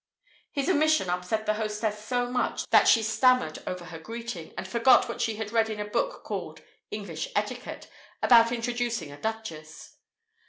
His omission upset the hostess so much that she stammered over her greeting, and forgot what she had read in a book called "English Etiquette" about introducing a duchess.